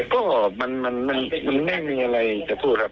ก็มันไม่มีอะไรจะพูดครับ